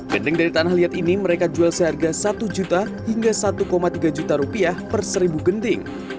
genting dari tanah liat ini mereka jual seharga satu juta hingga satu tiga juta rupiah per seribu genting